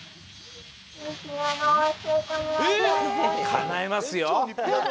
かなえますよ。